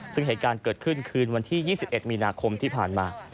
ซึ่งเหตุการณ์เกิดขึ้นคืนวันที่๒๑มีนาคมที่ผ่านมา